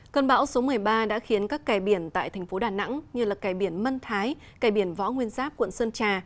cơn bão số một mươi ba đã khiến các kè biển tại thành phố đà nẵng như kè biển mân thái kẻ biển võ nguyên giáp quận sơn trà